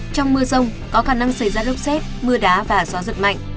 trong mưa rông có khả năng xảy ra lốc xét mưa đá và gió giật mạnh